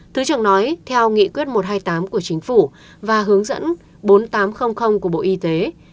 thứ trưởng nói theo nghị quyết một trăm hai mươi tám của chính phủ và hướng dẫn bốn nghìn tám trăm linh của bộ y tế